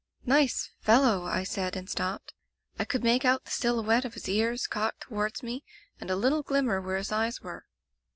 *^*Nice fellow!' I said, and stopped. I could make out the silhouette of his ears cocked toward me, and a little glimmer where his eyes were.